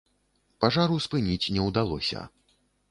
Пажару спыніць не ўдалося.